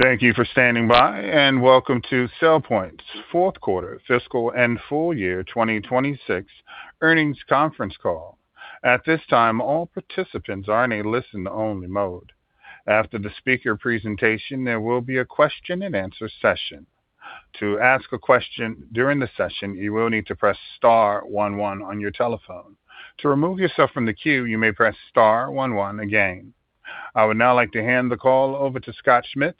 Thank you for standing by, and welcome to SailPoint's fourth quarter fiscal and full year 2026 earnings conference call. At this time, all participants are in a listen only mode. After the speaker presentation, there will be a question and answer session. To ask a question during the session, you will need to press star one one on your telephone. To remove yourself from the queue, you may press star one one again. I would now like to hand the call over to Scott Schmitz,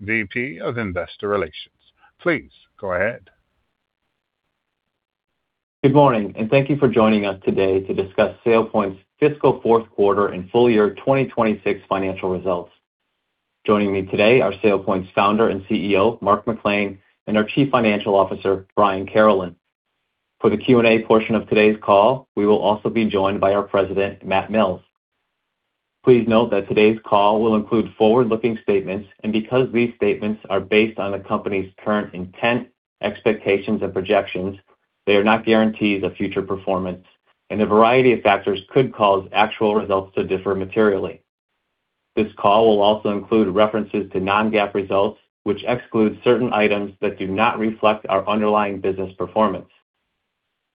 VP of Investor Relations. Please go ahead. Good morning, and thank you for joining us today to discuss SailPoint's fiscal fourth quarter and full year 2026 financial results. Joining me today are SailPoint's founder and CEO, Mark McClain, and our Chief Financial Officer, Brian Carolan. For the Q&A portion of today's call, we will also be joined by our President, Matt Mills. Please note that today's call will include forward-looking statements, and because these statements are based on the company's current intent, expectations, and projections, they are not guarantees of future performance, and a variety of factors could cause actual results to differ materially. This call will also include references to non-GAAP results, which exclude certain items that do not reflect our underlying business performance.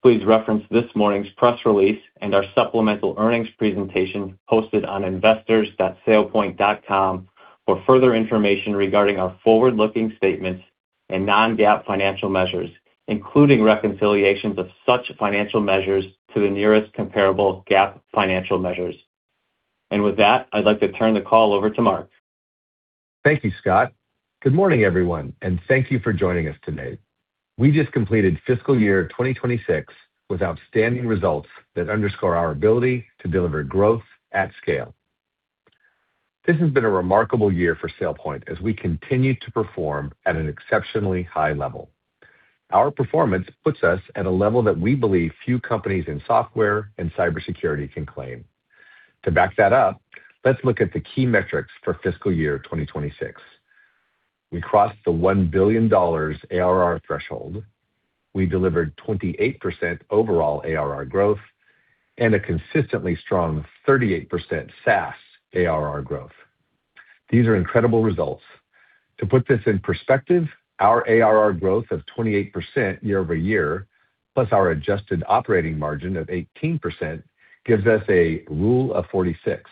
Please reference this morning's press release and our supplemental earnings presentation posted on investors.sailpoint.com for further information regarding our forward-looking statements and non-GAAP financial measures, including reconciliations of such financial measures to the nearest comparable GAAP financial measures. With that, I'd like to turn the call over to Mark. Thank you, Scott. Good morning, everyone, and thank you for joining us today. We just completed fiscal year 2026 with outstanding results that underscore our ability to deliver growth at scale. This has been a remarkable year for SailPoint as we continue to perform at an exceptionally high level. Our performance puts us at a level that we believe few companies in software and cybersecurity can claim. To back that up, let's look at the key metrics for fiscal year 2026. We crossed the $1 billion ARR threshold. We delivered 28% overall ARR growth and a consistently strong 38% SaaS ARR growth. These are incredible results. To put this in perspective, our ARR growth of 28% year-over-year, plus our adjusted operating margin of 18% gives us a rule of 46.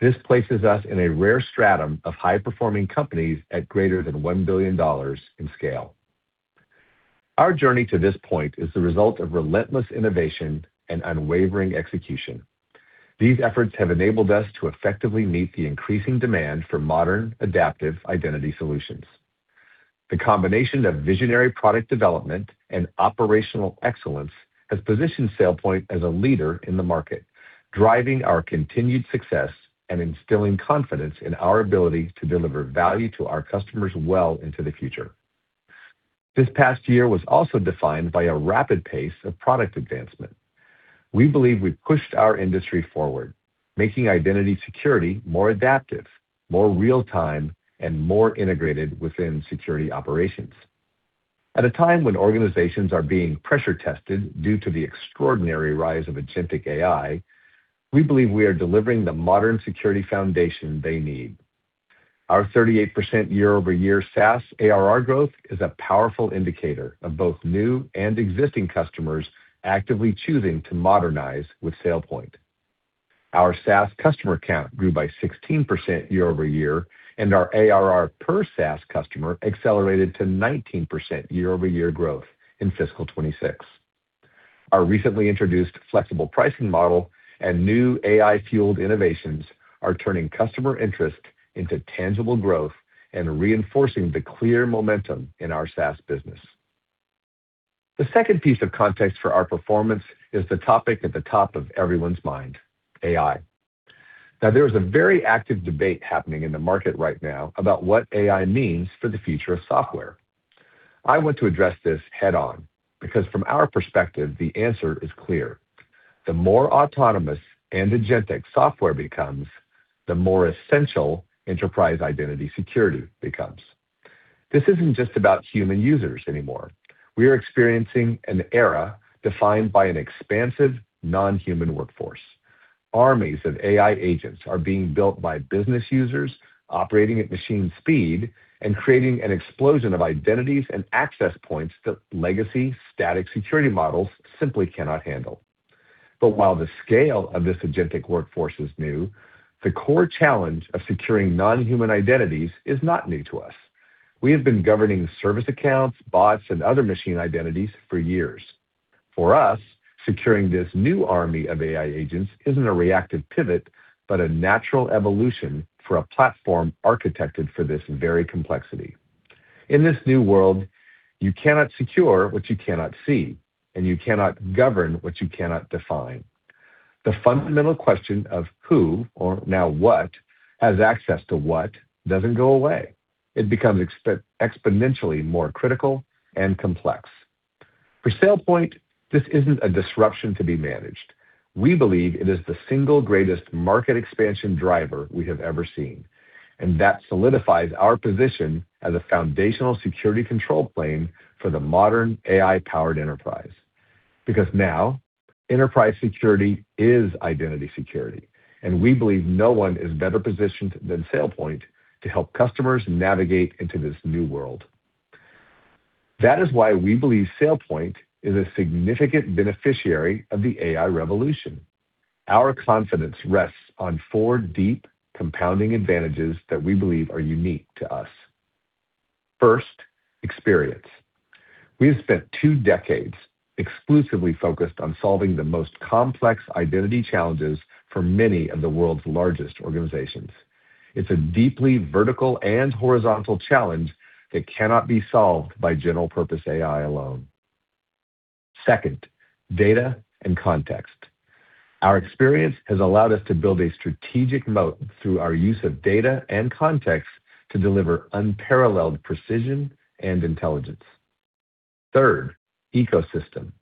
This places us in a rare stratum of high-performing companies at greater than $1 billion in scale. Our journey to this point is the result of relentless innovation and unwavering execution. These efforts have enabled us to effectively meet the increasing demand for modern adaptive identity solutions. The combination of visionary product development and operational excellence has positioned SailPoint as a leader in the market, driving our continued success and instilling confidence in our ability to deliver value to our customers well into the future. This past year was also defined by a rapid pace of product advancement. We believe we've pushed our industry forward, making identity security more adaptive, more real-time, and more integrated within security operations. At a time when organizations are being pressure tested due to the extraordinary rise of agentic AI, we believe we are delivering the modern security foundation they need. Our 38% year-over-year SaaS ARR growth is a powerful indicator of both new and existing customers actively choosing to modernize with SailPoint. Our SaaS customer count grew by 16% year-over-year, and our ARR per SaaS customer accelerated to 19% year-over-year growth in fiscal 2026. Our recently introduced flexible pricing model and new AI-fueled innovations are turning customer interest into tangible growth and reinforcing the clear momentum in our SaaS business. The second piece of context for our performance is the topic at the top of everyone's mind, AI. Now, there is a very active debate happening in the market right now about what AI means for the future of software. I want to address this head on because from our perspective, the answer is clear. The more autonomous and agentic software becomes, the more essential enterprise identity security becomes. This isn't just about human users anymore. We are experiencing an era defined by an expansive non-human workforce. Armies of AI agents are being built by business users operating at machine speed and creating an explosion of identities and access points that legacy static security models simply cannot handle. While the scale of this agentic workforce is new, the core challenge of securing non-human identities is not new to us. We have been governing service accounts, bots, and other machine identities for years. For us, securing this new army of AI agents isn't a reactive pivot, but a natural evolution for a platform architected for this very complexity. In this new world, you cannot secure what you cannot see, and you cannot govern what you cannot define. The fundamental question of who or now what has access to what doesn't go away. It becomes exponentially more critical and complex. For SailPoint, this isn't a disruption to be managed. We believe it is the single greatest market expansion driver we have ever seen, and that solidifies our position as a foundational security control plane for the modern AI-powered enterprise. Because now enterprise security is identity security, and we believe no one is better positioned than SailPoint to help customers navigate into this new world. That is why we believe SailPoint is a significant beneficiary of the AI revolution. Our confidence rests on four deep compounding advantages that we believe are unique to us. First, experience. We have spent two decades exclusively focused on solving the most complex identity challenges for many of the world's largest organizations. It's a deeply vertical and horizontal challenge that cannot be solved by general-purpose AI alone. Second, data and context. Our experience has allowed us to build a strategic moat through our use of data and context to deliver unparalleled precision and intelligence. Third, ecosystem.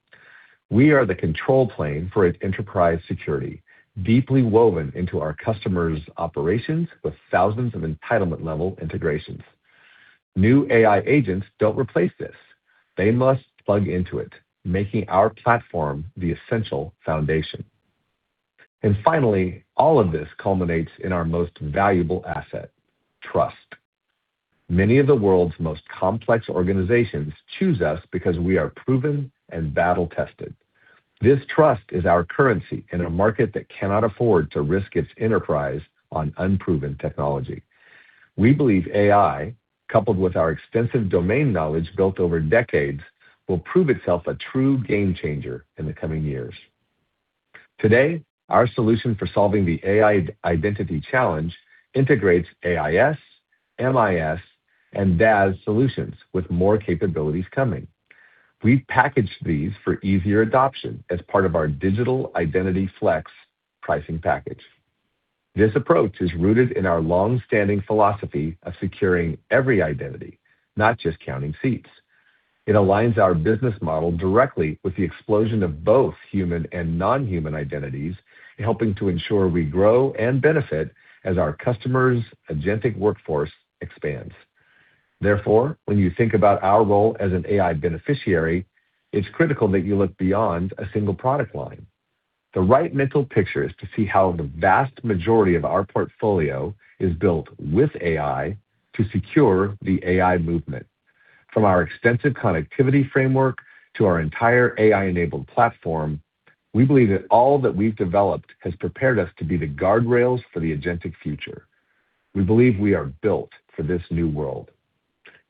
We are the control plane for its enterprise security, deeply woven into our customers' operations with thousands of entitlement-level integrations. New AI agents don't replace this. They must plug into it, making our platform the essential foundation. Finally, all of this culminates in our most valuable asset: trust. Many of the world's most complex organizations choose us because we are proven and battle-tested. This trust is our currency in a market that cannot afford to risk its enterprise on unproven technology. We believe AI, coupled with our extensive domain knowledge built over decades, will prove itself a true game-changer in the coming years. Today, our solution for solving the AI identity challenge integrates AIS, MIS, and DAS solutions with more capabilities coming. We've packaged these for easier adoption as part of our Digital Identity Flex pricing package. This approach is rooted in our long-standing philosophy of securing every identity, not just counting seats. It aligns our business model directly with the explosion of both human and non-human identities, helping to ensure we grow and benefit as our customers' agentic workforce expands. Therefore, when you think about our role as an AI beneficiary, it's critical that you look beyond a single product line. The right mental picture is to see how the vast majority of our portfolio is built with AI to secure the AI movement. From our extensive connectivity framework to our entire AI-enabled platform, we believe that all that we've developed has prepared us to be the guardrails for the agentic future. We believe we are built for this new world,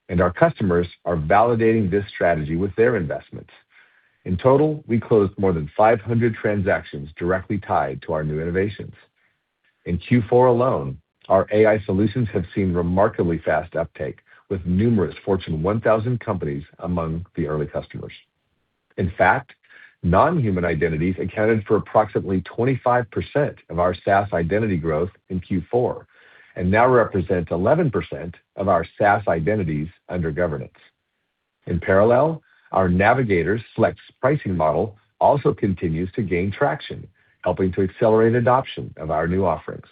and our customers are validating this strategy with their investments. In total, we closed more than 500 transactions directly tied to our new innovations. In Q4 alone, our AI solutions have seen remarkably fast uptake, with numerous Fortune 1000 companies among the early customers. In fact, non-human identities accounted for approximately 25% of our SaaS identity growth in Q4 and now represent 11% of our SaaS identities under governance. In parallel, our Navigator select pricing model also continues to gain traction, helping to accelerate adoption of our new offerings.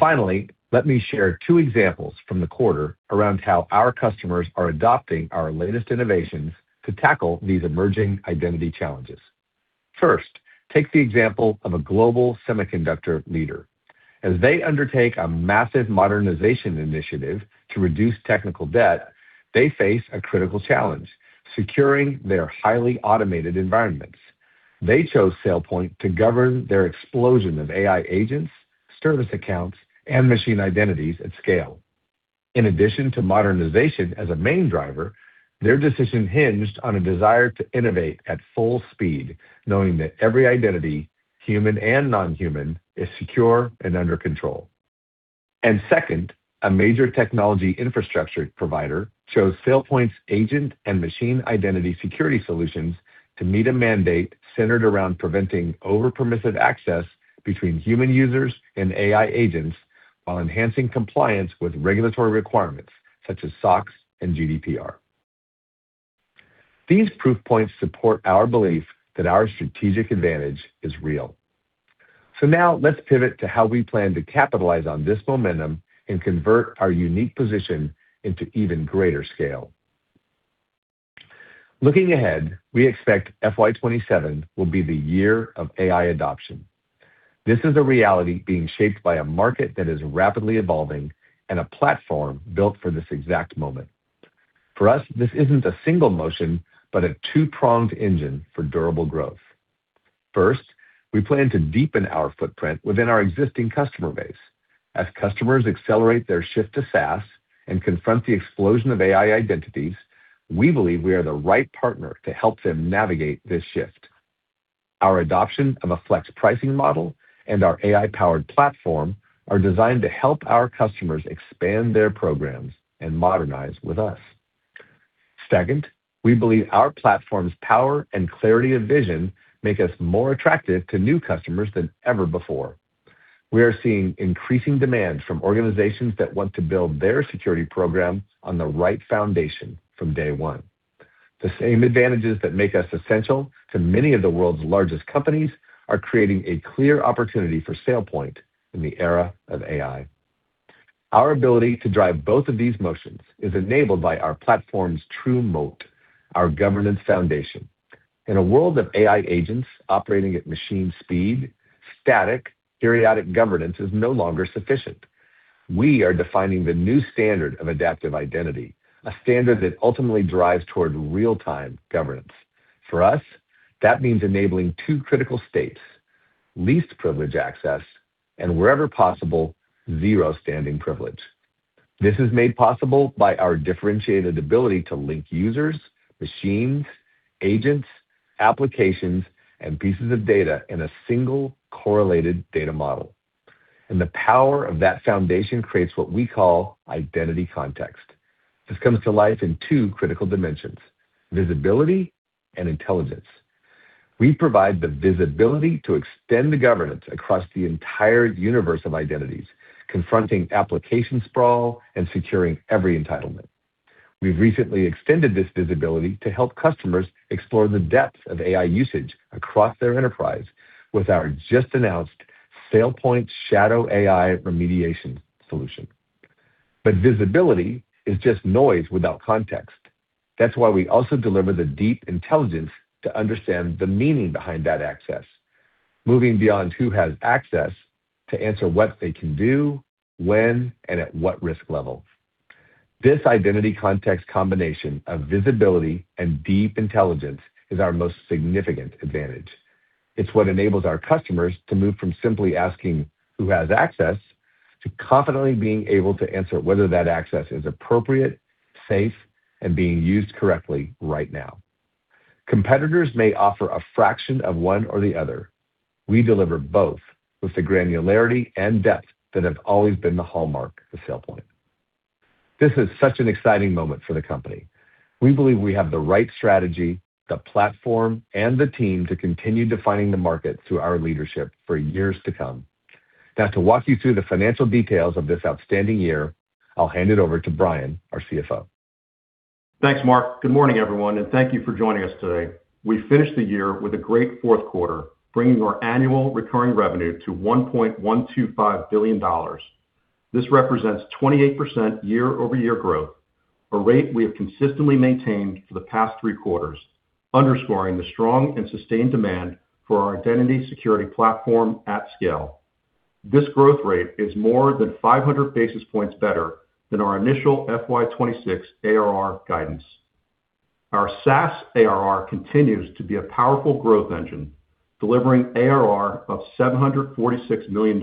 Finally, let me share two examples from the quarter around how our customers are adopting our latest innovations to tackle these emerging identity challenges. First, take the example of a global semiconductor leader. As they undertake a massive modernization initiative to reduce technical debt, they face a critical challenge. Securing their highly automated environments. They chose SailPoint to govern their explosion of AI agents, service accounts, and machine identities at scale. In addition to modernization as a main driver, their decision hinged on a desire to innovate at full speed, knowing that every identity, human and non-human, is secure and under control. Second, a major technology infrastructure provider chose SailPoint's agent and machine identity security solutions to meet a mandate centered around preventing over-permissive access between human users and AI agents while enhancing compliance with regulatory requirements such as SOX and GDPR. These proof points support our belief that our strategic advantage is real. Now let's pivot to how we plan to capitalize on this momentum and convert our unique position into even greater scale. Looking ahead, we expect FY 2027 will be the year of AI adoption. This is a reality being shaped by a market that is rapidly evolving and a platform built for this exact moment. For us, this isn't a single motion, but a two-pronged engine for durable growth. First, we plan to deepen our footprint within our existing customer base. As customers accelerate their shift to SaaS and confront the explosion of AI identities, we believe we are the right partner to help them navigate this shift. Our adoption of a flex pricing model and our AI-powered platform are designed to help our customers expand their programs and modernize with us. Second, we believe our platform's power and clarity of vision make us more attractive to new customers than ever before. We are seeing increasing demand from organizations that want to build their security program on the right foundation from day one. The same advantages that make us essential to many of the world's largest companies are creating a clear opportunity for SailPoint in the era of AI. Our ability to drive both of these motions is enabled by our platform's true moat, our governance foundation. In a world of AI agents operating at machine speed, static, periodic governance is no longer sufficient. We are defining the new standard of adaptive identity, a standard that ultimately drives toward real-time governance. For us, that means enabling two critical states, least privilege access, and wherever possible, zero standing privilege. This is made possible by our differentiated ability to link users, machines, agents, applications, and pieces of data in a single correlated data model. The power of that foundation creates what we call identity context. This comes to life in two critical dimensions, visibility and intelligence. We provide the visibility to extend the governance across the entire universe of identities, confronting application sprawl and securing every entitlement. We've recently extended this visibility to help customers explore the depths of AI usage across their enterprise with our just-announced SailPoint Shadow AI Remediation solution. Visibility is just noise without context. That's why we also deliver the deep intelligence to understand the meaning behind that access, moving beyond who has access to answer what they can do, when, and at what risk level. This identity context combination of visibility and deep intelligence is our most significant advantage. It's what enables our customers to move from simply asking who has access to confidently being able to answer whether that access is appropriate, safe, and being used correctly right now. Competitors may offer a fraction of one or the other. We deliver both with the granularity and depth that have always been the hallmark of SailPoint. This is such an exciting moment for the company. We believe we have the right strategy, the platform, and the team to continue defining the market through our leadership for years to come. Now, to walk you through the financial details of this outstanding year, I'll hand it over to Brian, our CFO. Thanks, Mark. Good morning, everyone, and thank you for joining us today. We finished the year with a great fourth quarter, bringing our annual recurring revenue to $1.125 billion. This represents 28% year-over-year growth, a rate we have consistently maintained for the past three quarters, underscoring the strong and sustained demand for our identity security platform at scale. This growth rate is more than 500 basis points better than our initial FY 2026 ARR guidance. Our SaaS ARR continues to be a powerful growth engine, delivering ARR of $746 million,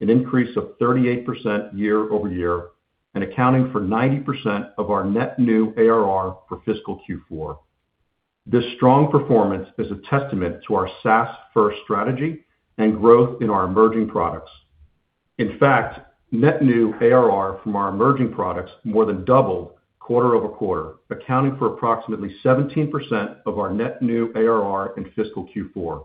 an increase of 38% year-over-year, and accounting for 90% of our net new ARR for fiscal Q4. This strong performance is a testament to our SaaS-first strategy and growth in our emerging products. In fact, net new ARR from our emerging products more than doubled quarter-over-quarter, accounting for approximately 17% of our net new ARR in fiscal Q4.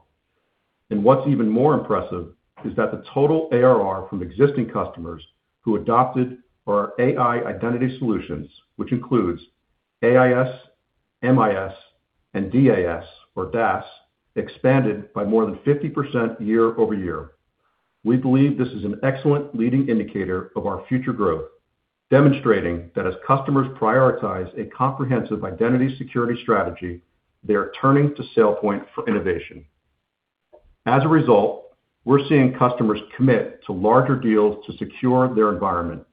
What's even more impressive is that the total ARR from existing customers who adopted our AI Identity solutions, which includes AIS, MIS, and DAS, or DAS, expanded by more than 50% year-over-year. We believe this is an excellent leading indicator of our future growth, demonstrating that as customers prioritize a comprehensive identity security strategy, they are turning to SailPoint for innovation. As a result, we're seeing customers commit to larger deals to secure their environment.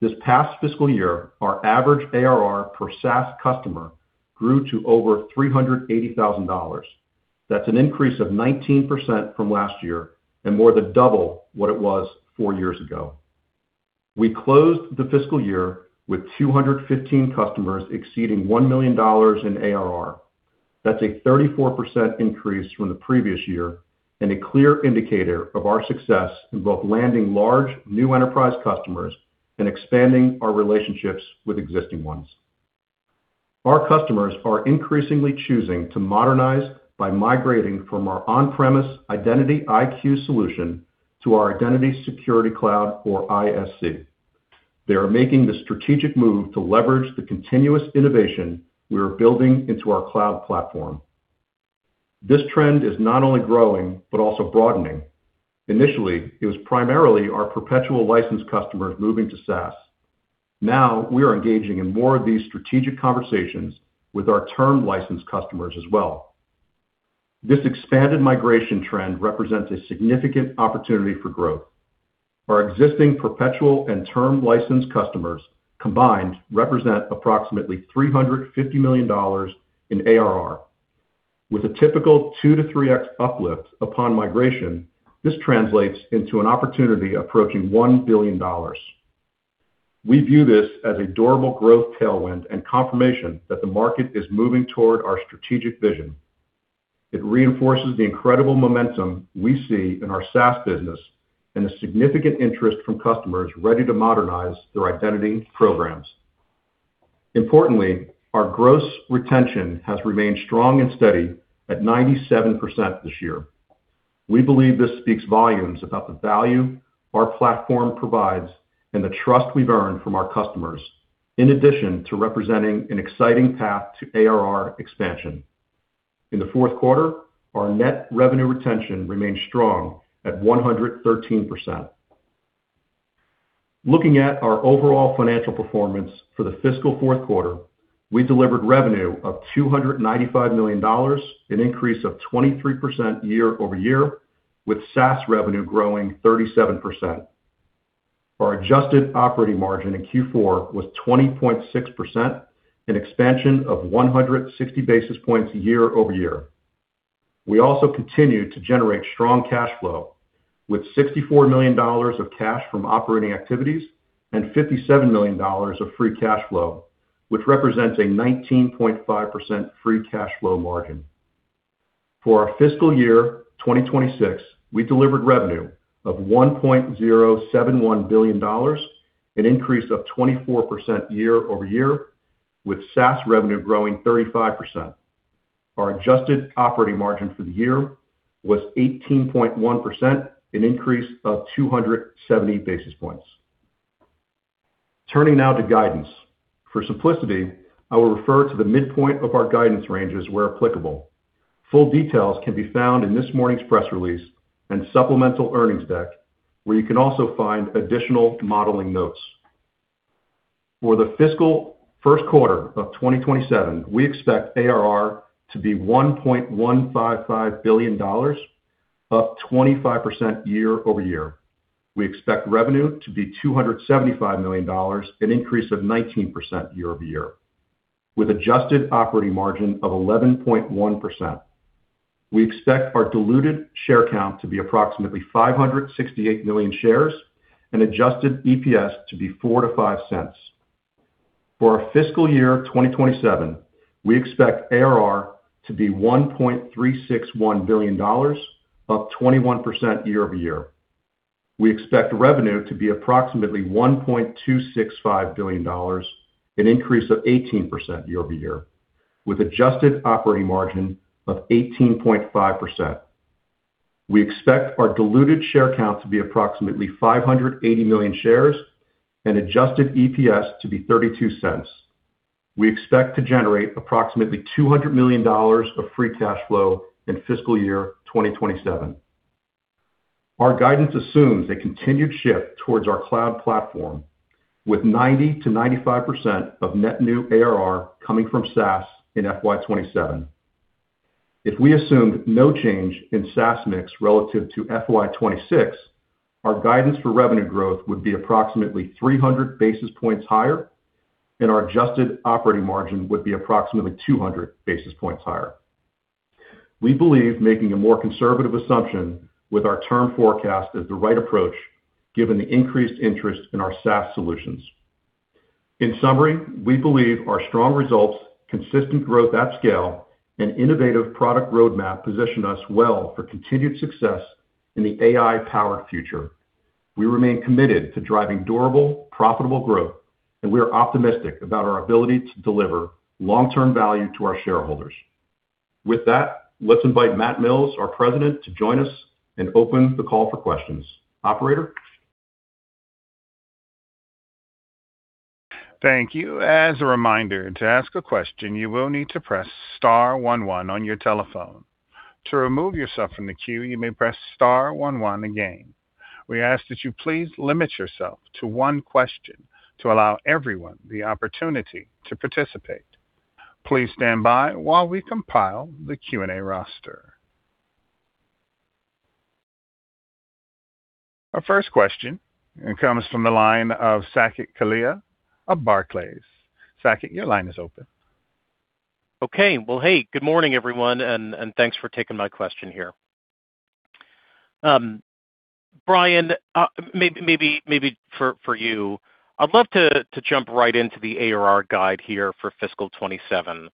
This past fiscal year, our average ARR per SaaS customer grew to over $380,000. That's an increase of 19% from last year and more than double what it was four years ago. We closed the fiscal year with 215 customers exceeding $1 million in ARR. That's a 34% increase from the previous year and a clear indicator of our success in both landing large new enterprise customers and expanding our relationships with existing ones. Our customers are increasingly choosing to modernize by migrating from our on-premise IdentityIQ solution to our Identity Security Cloud, or ISC. They are making the strategic move to leverage the continuous innovation we are building into our cloud platform. This trend is not only growing but also broadening. Initially, it was primarily our perpetual license customers moving to SaaS. Now we are engaging in more of these strategic conversations with our term license customers as well. This expanded migration trend represents a significant opportunity for growth. Our existing perpetual and term license customers combined represent approximately $350 million in ARR. With a typical 2x-3x uplift upon migration, this translates into an opportunity approaching $1 billion. We view this as a durable growth tailwind and confirmation that the market is moving toward our strategic vision. It reinforces the incredible momentum we see in our SaaS business and a significant interest from customers ready to modernize their identity programs. Importantly, our gross retention has remained strong and steady at 97% this year. We believe this speaks volumes about the value our platform provides and the trust we've earned from our customers, in addition to representing an exciting path to ARR expansion. In the fourth quarter, our net revenue retention remained strong at 113%. Looking at our overall financial performance for the fiscal fourth quarter, we delivered revenue of $295 million, an increase of 23% year-over-year, with SaaS revenue growing 37%. Our adjusted operating margin in Q4 was 20.6%, an expansion of 160 basis points year-over-year. We also continued to generate strong cash flow with $64 million of cash from operating activities and $57 million of free cash flow, which represents a 19.5% free cash flow margin. For our fiscal year 2026, we delivered revenue of $1.071 billion, an increase of 24% year-over-year, with SaaS revenue growing 35%. Our adjusted operating margin for the year was 18.1%, an increase of 270 basis points. Turning now to guidance. For simplicity, I will refer to the midpoint of our guidance ranges where applicable. Full details can be found in this morning's press release and supplemental earnings deck, where you can also find additional modeling notes. For the fiscal first quarter of 2027, we expect ARR to be $1.155 billion, up 25% year-over-year. We expect revenue to be $275 million, an increase of 19% year-over-year, with adjusted operating margin of 11.1%. We expect our diluted share count to be approximately 568 million shares and adjusted EPS to be $0.04-$0.05. For our fiscal year 2027, we expect ARR to be $1.361 billion, up 21% year-over-year. We expect revenue to be approximately $1.265 billion, an increase of 18% year-over-year, with adjusted operating margin of 18.5%. We expect our diluted share count to be approximately 580 million shares and adjusted EPS to be $0.32. We expect to generate approximately $200 million of free cash flow in fiscal year 2027. Our guidance assumes a continued shift towards our cloud platform, with 90%-95% of net new ARR coming from SaaS in FY 2027. If we assumed no change in SaaS mix relative to FY 2026, our guidance for revenue growth would be approximately 300 basis points higher, and our adjusted operating margin would be approximately 200 basis points higher. We believe making a more conservative assumption with our term forecast is the right approach given the increased interest in our SaaS solutions. In summary, we believe our strong results, consistent growth at scale, and innovative product roadmap position us well for continued success in the AI-powered future. We remain committed to driving durable, profitable growth, and we are optimistic about our ability to deliver long-term value to our shareholders. With that, let's invite Matt Mills, our President, to join us and open the call for questions. Operator? Thank you. As a reminder, to ask a question you will need to press star one one on your telephone. To remove yourself from the queue, you may press star one one again. We ask that you please limit yourself to one question to allow everyone the opportunity to participate. Please stand by while we compile the Q&A roster. Our first question comes from the line of Saket Kalia of Barclays. Saket, your line is open. Okay. Well, hey, good morning everyone, and thanks for taking my question here. Brian, maybe for you. I'd love to jump right into the ARR guide here for fiscal 2027.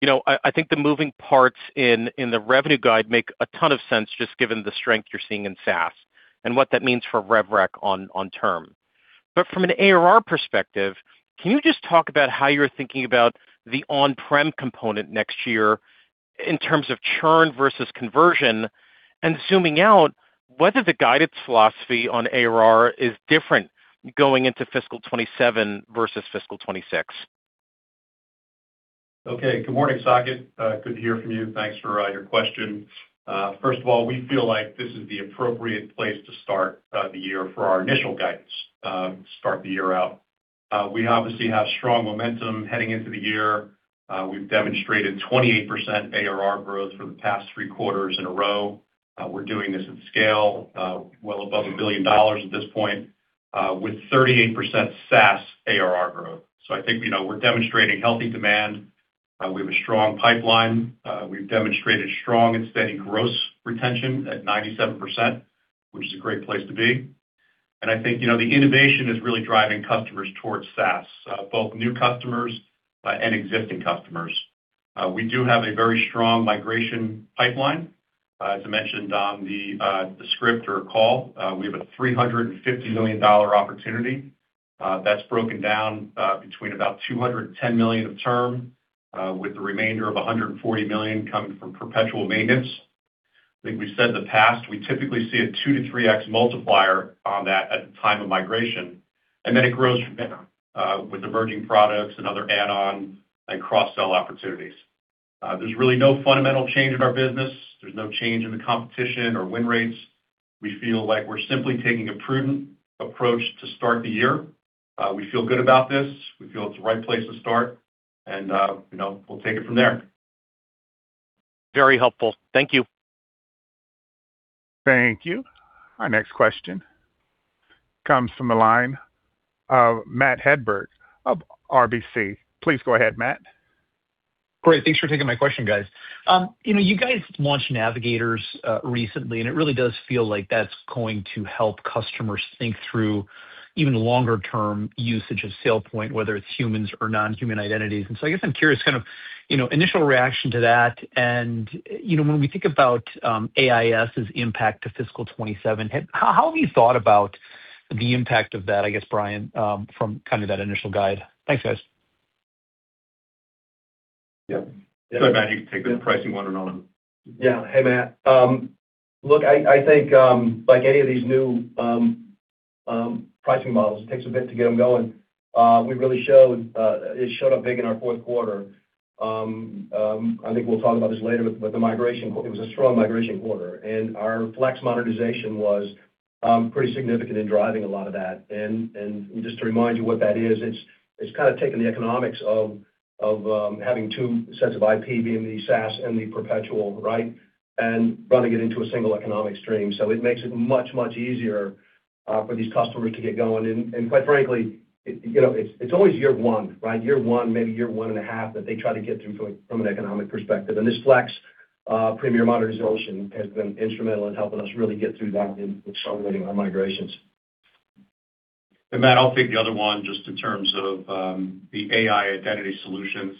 You know, I think the moving parts in the revenue guide make a ton of sense just given the strength you're seeing in SaaS and what that means for rev rec on term. From an ARR perspective, can you just talk about how you're thinking about the on-prem component next year in terms of churn versus conversion? Zooming out, whether the guided philosophy on ARR is different going into fiscal 2027 versus fiscal 2026. Good morning, Saket. Good to hear from you. Thanks for your question. First of all, we feel like this is the appropriate place to start the year for our initial guidance to start the year out. We obviously have strong momentum heading into the year. We've demonstrated 28% ARR growth for the past three quarters in a row. We're doing this at scale, well above $1 billion at this point, with 38% SaaS ARR growth. So I think, you know, we're demonstrating healthy demand. We have a strong pipeline. We've demonstrated strong and steady gross retention at 97%, which is a great place to be. I think, you know, the innovation is really driving customers towards SaaS, both new customers and existing customers. We do have a very strong migration pipeline. As I mentioned on the script or call, we have a $350 million opportunity that's broken down between about $210 million of term with the remainder of $140 million coming from perpetual maintenance. I think we've said in the past, we typically see a 2x-3x multiplier on that at the time of migration, and then it grows from there, with emerging products and other add-ons and cross-sell opportunities. There's really no fundamental change in our business. There's no change in the competition or win rates. We feel like we're simply taking a prudent approach to start the year. We feel good about this. We feel it's the right place to start, and, you know, we'll take it from there. Very helpful. Thank you. Thank you. Our next question comes from the line of Matt Hedberg of RBC. Please go ahead, Matt. Great. Thanks for taking my question, guys. You know, you guys launched Navigators recently, and it really does feel like that's going to help customers think through even longer-term usage of SailPoint, whether it's humans or non-human identities. I guess I'm curious kind of, you know, initial reaction to that. You know, when we think about AIS's impact to fiscal 2027, how have you thought about the impact of that, I guess, Brian, from kind of that initial guide? Thanks, guys. Yeah. Go ahead, Matt. You can take the pricing one and on. Yeah. Hey, Matt. Look, I think like any of these new pricing models, it takes a bit to get them going. It showed up big in our fourth quarter. I think we'll talk about this later, but the migration, it was a strong migration quarter. Our Flex monetization was pretty significant in driving a lot of that. Just to remind you what that is, it's kinda taking the economics of having two sets of IP being the SaaS and the perpetual, right? Running it into a single economic stream. It makes it much easier for these customers to get going. Quite frankly, you know, it's always year one, right? Year one, maybe year one and a half that they try to get through from an economic perspective. This Flex Premier monetization has been instrumental in helping us really get through that and accelerating our migrations. Matt, I'll take the other one just in terms of the AI identity solutions.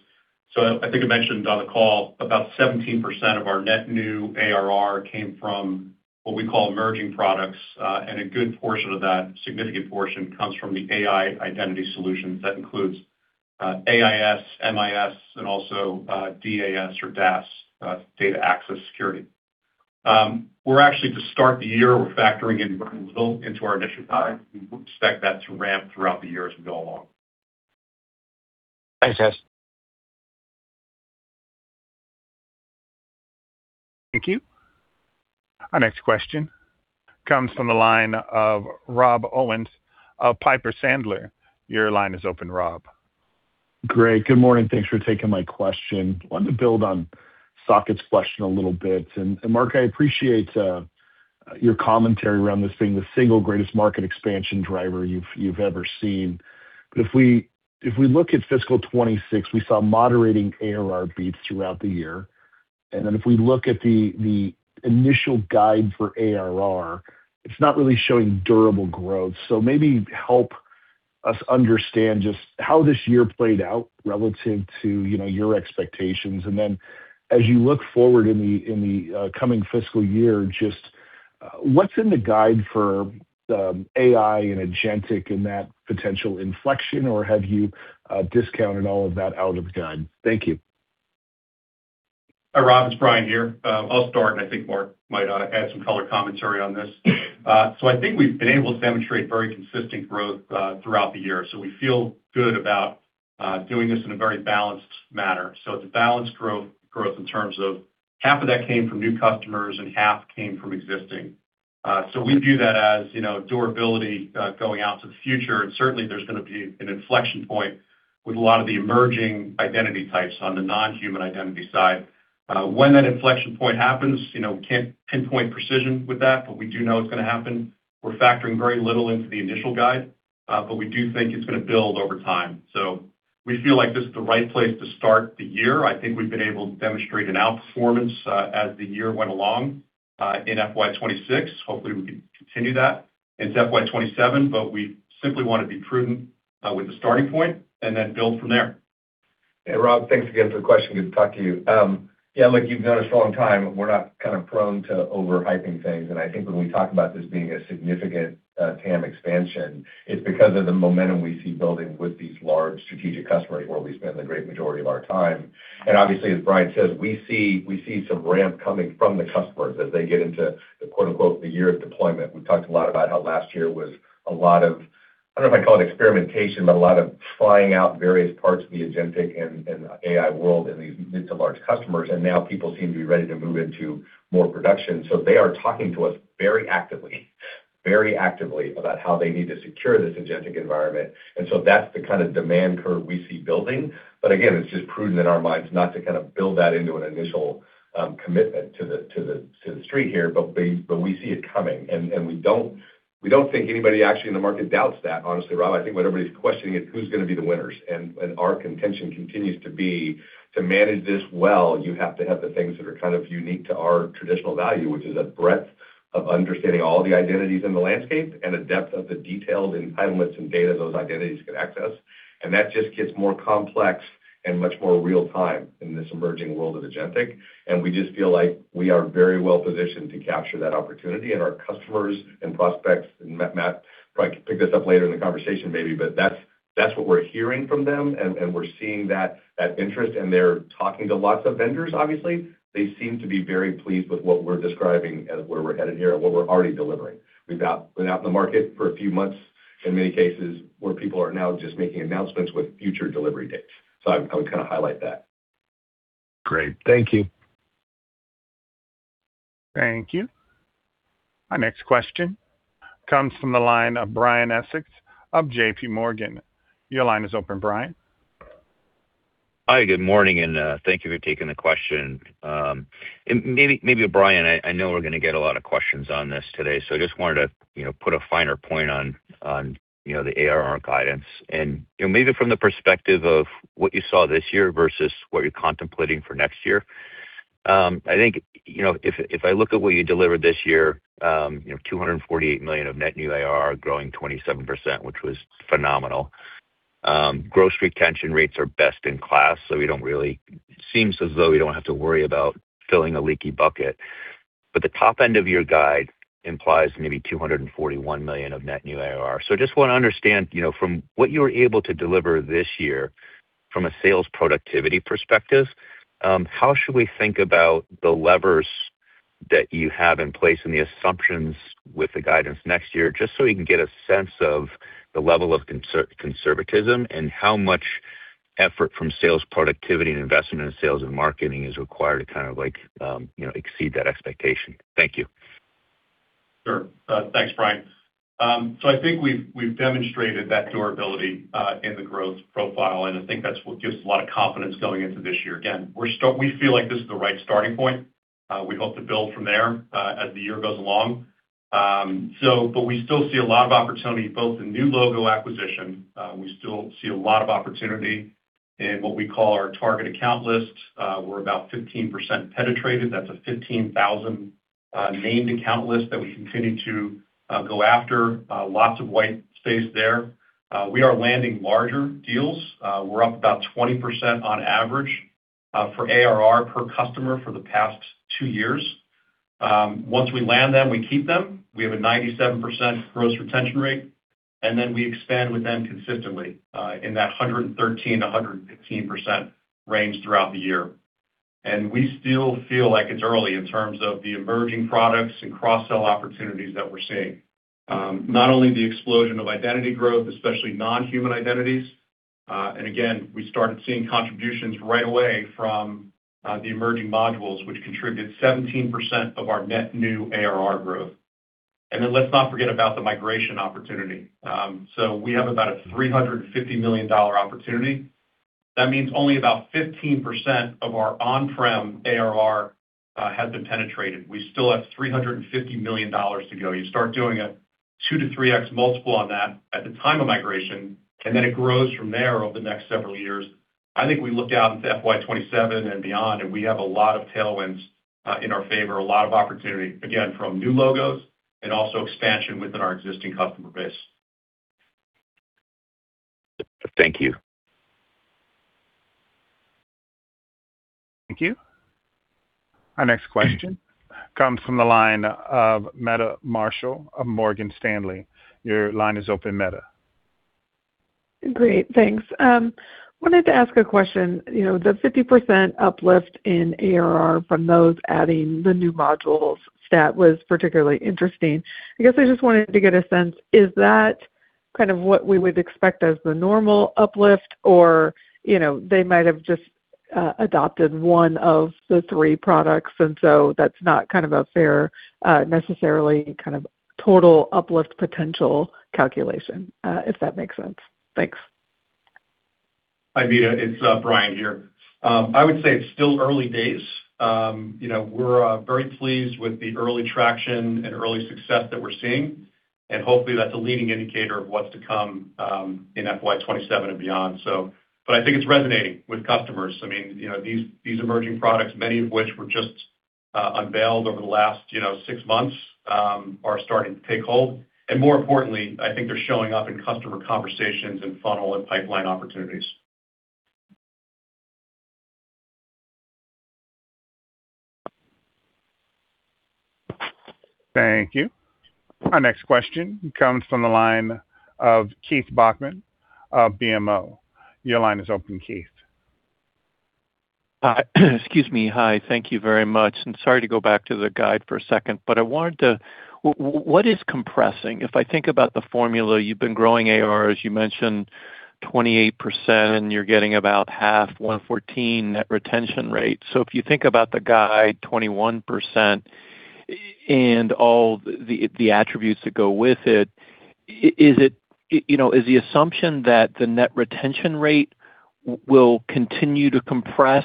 I think I mentioned on the call, about 17% of our net new ARR came from what we call emerging products, and a good portion of that, significant portion, comes from the AI identity solutions. That includes AIS, MIS, and also DAS, Data Access Security. We're actually to start the year, we're factoring in a little into our initial guide. We expect that to ramp throughout the year as we go along. Thanks, guys. Thank you. Our next question comes from the line of Rob Owens of Piper Sandler. Your line is open, Rob. Great. Good morning. Thanks for taking my question. Wanted to build on Saket question a little bit. Mark, I appreciate your commentary around this being the single greatest market expansion driver you've ever seen. If we look at fiscal 2026, we saw moderating ARR beats throughout the year. Then if we look at the initial guide for ARR, it's not really showing durable growth. Maybe help us understand just how this year played out relative to your expectations. Then as you look forward in the coming fiscal year, just what's in the guide for AI and agentic and that potential inflection, or have you discounted all of that out of the guide? Thank you. Hi, Rob. It's Brian here. I'll start, and I think Mark might add some color commentary on this. I think we've been able to demonstrate very consistent growth throughout the year. We feel good about doing this in a very balanced manner. It's a balanced growth in terms of half of that came from new customers and half came from existing. We view that as, you know, durability going out to the future. Certainly, there's gonna be an inflection point with a lot of the emerging identity types on the non-human identity side. When that inflection point happens, you know, we can't pinpoint precision with that, but we do know it's gonna happen. We're factoring very little into the initial guide, but we do think it's gonna build over time. We feel like this is the right place to start the year. I think we've been able to demonstrate an outperformance, as the year went along, in FY 2026. Hopefully, we can continue that into FY 2027, but we simply wanna be prudent, with the starting point and then build from there. Yeah. Rob, thanks again for the question. Good to talk to you. Yeah, look, you've known us a long time. We're not kind of prone to overhyping things. I think when we talk about this being a significant TAM expansion, it's because of the momentum we see building with these large strategic customers where we spend the great majority of our time. Obviously, as Brian says, we see some ramp coming from the customers as they get into the quote, unquote, "the year of deployment." We've talked a lot about how last year was a lot of, I don't know if I'd call it experimentation, but a lot of trying out various parts of the agentic and AI world in large customers, and now people seem to be ready to move into more production. They are talking to us very actively about how they need to secure this agentic environment. That's the kinda demand curve we see building. It's just prudent in our minds not to kinda build that into an initial commitment to the street here, but we see it coming. We don't think anybody actually in the market doubts that, honestly, Rob. I think what everybody's questioning is who's gonna be the winners. Our contention continues to be to manage this well, you have to have the things that are kind of unique to our traditional value, which is a breadth of understanding all the identities in the landscape and a depth of the detailed entitlements and data those identities can access. That just gets more complex and much more real-time in this emerging world of agentic. We just feel like we are very well positioned to capture that opportunity. Our customers and prospects, and Matt probably can pick this up later in the conversation maybe, but that's what we're hearing from them, and we're seeing that interest, and they're talking to lots of vendors, obviously. They seem to be very pleased with what we're describing as where we're headed here and what we're already delivering. We've been out in the market for a few months in many cases where people are now just making announcements with future delivery dates. I would kinda highlight that. Great. Thank you. Thank you. Our next question comes from the line of Brian Essex of J.P. Morgan. Your line is open, Brian. Hi, good morning, and thank you for taking the question. Maybe Brian, I know we're gonna get a lot of questions on this today, so I just wanted to, you know, put a finer point on, you know, the ARR guidance and, you know, maybe from the perspective of what you saw this year versus what you're contemplating for next year. I think, you know, if I look at what you delivered this year, you know, $248 million of net new ARR growing 27%, which was phenomenal. Gross retention rates are best in class, so we don't really seem to have to worry about filling a leaky bucket. But the top end of your guide implies maybe $241 million of net new ARR. Just wanna understand, you know, from what you were able to deliver this year from a sales productivity perspective, how should we think about the levers that you have in place and the assumptions with the guidance next year, just so we can get a sense of the level of conservatism and how much effort from sales productivity and investment in sales and marketing is required to kind of like, you know, exceed that expectation. Thank you. Sure. Thanks, Brian. I think we've demonstrated that durability in the growth profile, and I think that's what gives a lot of confidence going into this year. Again, we feel like this is the right starting point. We hope to build from there as the year goes along. We still see a lot of opportunity both in new logo acquisition. We still see a lot of opportunity in what we call our target account list. We're about 15% penetrated. That's a 15,000 named account list that we continue to go after. Lots of white space there. We are landing larger deals. We're up about 20% on average for ARR per customer for the past two years. Once we land them, we keep them. We have a 97% gross retention rate, and then we expand with them consistently, in that 113%-115% range throughout the year. We still feel like it's early in terms of the emerging products and cross-sell opportunities that we're seeing. Not only the explosion of identity growth, especially non-human identities. Again, we started seeing contributions right away from the emerging modules, which contribute 17% of our net new ARR growth. Then let's not forget about the migration opportunity. We have about a $350 million opportunity. That means only about 15% of our on-prem ARR has been penetrated. We still have $350 million to go. You start doing a 2x-3x multiple on that at the time of migration, and then it grows from there over the next several years. I think we look out into FY 2027 and beyond, and we have a lot of tailwinds in our favor, a lot of opportunity, again, from new logos and also expansion within our existing customer base. Thank you. Thank you. Our next question comes from the line of Meta Marshall of Morgan Stanley. Your line is open, Meta. Great. Thanks. Wanted to ask a question. You know, the 50% uplift in ARR from those adding the new modules stat was particularly interesting. I guess I just wanted to get a sense, is that kind of what we would expect as the normal uplift? Or, you know, they might have just adopted one of the three products, and so that's not kind of a fair, necessarily kind of total uplift potential calculation, if that makes sense. Thanks. Hi, Meta, it's Brian here. I would say it's still early days. You know, we're very pleased with the early traction and early success that we're seeing. Hopefully that's a leading indicator of what's to come in FY 2027 and beyond. I think it's resonating with customers. I mean, you know, these emerging products, many of which were just unveiled over the last six months, are starting to take hold. More importantly, I think they're showing up in customer conversations and funnel and pipeline opportunities. Thank you. Our next question comes from the line of Keith Bachman of BMO. Your line is open, Keith. Excuse me. Hi, thank you very much, and sorry to go back to the guide for a second, but what is compressing? If I think about the formula, you've been growing ARR, as you mentioned, 28%, and you're getting about 114 net retention rate. If you think about the guide, 21%, and all the attributes that go with it, is it you know, is the assumption that the net retention rate will continue to compress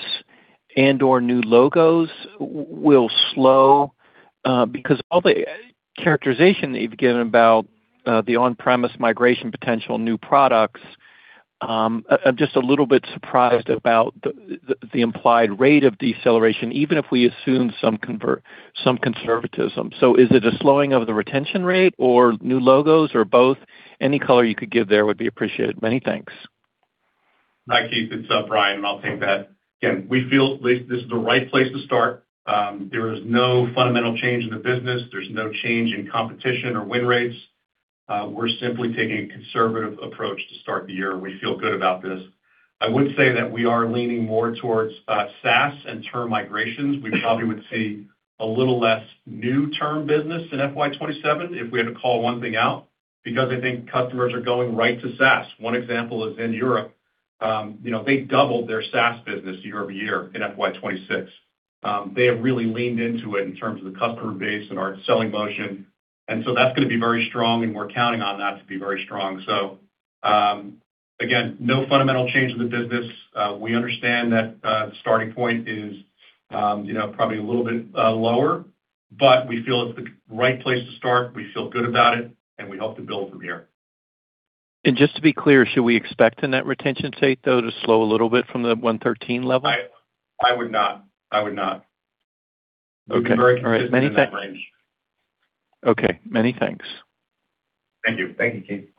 and/or new logos will slow? Because all the characterization that you've given about the on-premises migration potential new products, I'm just a little bit surprised about the implied rate of deceleration, even if we assume some conservatism. Is it a slowing of the retention rate or new logos or both? Any color you could give there would be appreciated. Many thanks. Hi, Keith. It's, Brian, and I'll take that. Again, we feel this is the right place to start. There is no fundamental change in the business. There's no change in competition or win rates. We're simply taking a conservative approach to start the year. We feel good about this. I would say that we are leaning more towards, SaaS and term migrations. We probably would see a little less new term business in FY 2027 if we had to call one thing out, because I think customers are going right to SaaS. One example is in Europe. You know, they doubled their SaaS business year-over-year in FY 2026. They have really leaned into it in terms of the customer base and our selling motion. That's going to be very strong, and we're counting on that to be very strong. Again, no fundamental change in the business. We understand that the starting point is, you know, probably a little bit lower, but we feel it's the right place to start. We feel good about it, and we hope to build from here. Just to be clear, should we expect the net retention rate, though, to slow a little bit from the 113% level? I would not. Okay. All right. Many thanks. We've been very consistent in that range. Okay. Many thanks. Thank you. Thank you, Keith.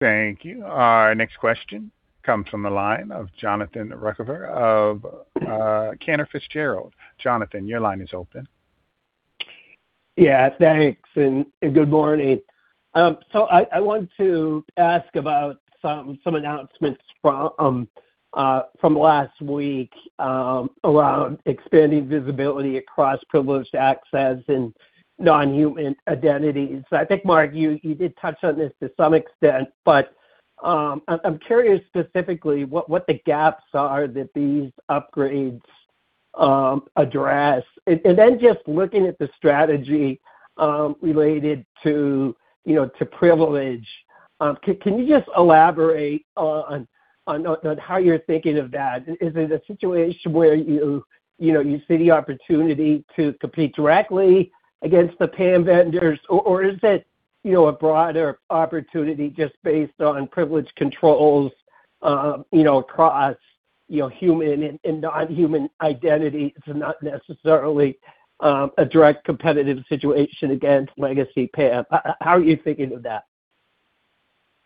Thank you. Our next question comes from the line of Jonathan Ruykhaver of Cantor Fitzgerald. Jonathan, your line is open. Yeah. Thanks and good morning. I want to ask about some announcements from last week around expanding visibility across privileged access and non-human identities. I think, Mark, you did touch on this to some extent, but I'm curious specifically what the gaps are that these upgrades address. Just looking at the strategy related to, you know, to privilege, can you just elaborate on how you're thinking of that? Is it a situation where, you know, you see the opportunity to compete directly against the PAM vendors? Is it, you know, a broader opportunity just based on privileged controls, you know, across, you know, human and non-human identities and not necessarily a direct competitive situation against legacy PAM? How are you thinking of that?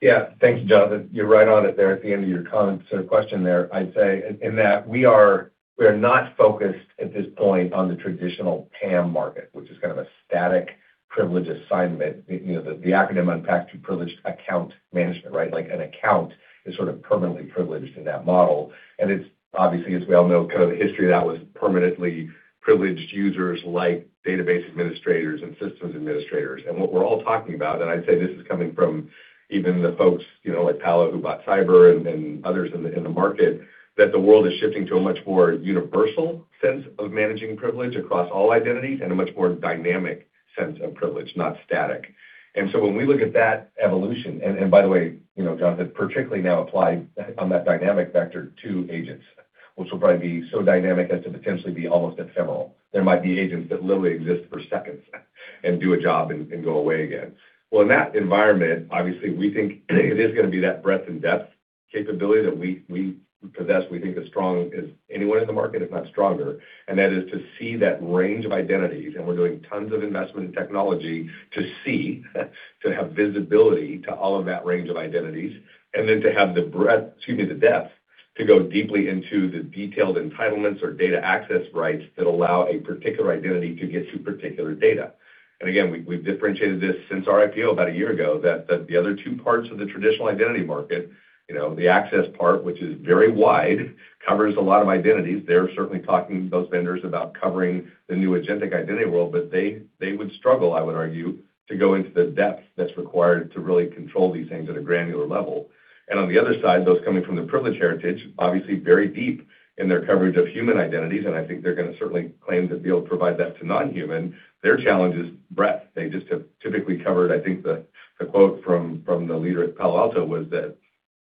Yeah. Thanks, Jonathan. You're right on it there at the end of your comment or question there, I'd say, in that we are, we're not focused at this point on the traditional PAM market, which is kind of a static privilege assignment. You know, the acronym unpacks to privileged account management, right? Like, an account is sort of permanently privileged in that model. And it's obviously, as we all know, kind of the history of that was permanently privileged users like database administrators and systems administrators. And what we're all talking about, and I'd say this is coming from even the folks, you know, like Palo Alto Networks, who bought CyberArk and others in the, in the market, that the world is shifting to a much more universal sense of managing privilege across all identities and a much more dynamic sense of privilege, not static. When we look at that evolution, and by the way, you know, Jonathan, particularly now applied on that dynamic vector to agents, which will probably be so dynamic as to potentially be almost ephemeral. There might be agents that literally exist for seconds and do a job and go away again. Well, in that environment, obviously, we think it is gonna be that breadth and depth capability that we possess, we think is strong as anyone in the market, if not stronger. That is to see that range of identities, and we're doing tons of investment in technology to see, to have visibility to all of that range of identities, and then to have the breadth, excuse me, the depth to go deeply into the detailed entitlements or data access rights that allow a particular identity to get to particular data. Again, we've differentiated this since our IPO about a year ago that the other two parts of the traditional identity market, you know, the access part, which is very wide, covers a lot of identities. They're certainly talking to those vendors about covering the new agentic identity world, but they would struggle, I would argue, to go into the depth that's required to really control these things at a granular level. On the other side, those coming from the privilege heritage, obviously very deep in their coverage of human identities, and I think they're gonna certainly claim that they'll provide that to non-human. Their challenge is breadth. They just have typically covered, I think the quote from the leader at Palo Alto Networks was that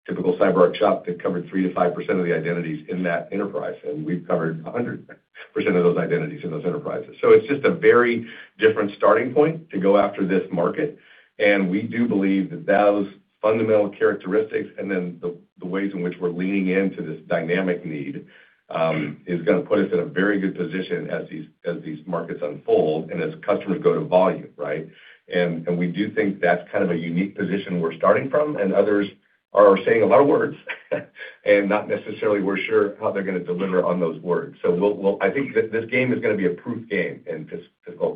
typical CyberArk shop, they've covered 3%-5% of the identities in that enterprise, and we've covered 100% of those identities in those enterprises. It's just a very different starting point to go after this market. We do believe that those fundamental characteristics and then the ways in which we're leaning into this dynamic need is gonna put us in a very good position as these markets unfold and as customers go to volume, right? We do think that's kind of a unique position we're starting from, and others are saying a lot of words and not necessarily we're sure how they're gonna deliver on those words. I think this game is gonna be a proof game in